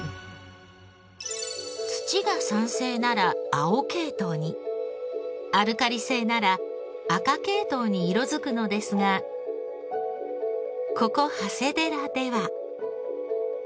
土が酸性なら青系統にアルカリ性なら赤系統に色づくのですがここ長谷寺では。